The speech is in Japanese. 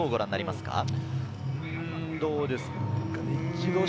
どうですかね？